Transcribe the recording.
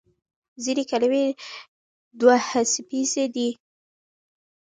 ځینې کلمې دوهڅپیزې دي.